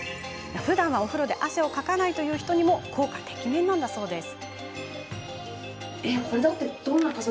ふだんはお風呂で汗をかかないという人にも効果てきめんなんだそうです。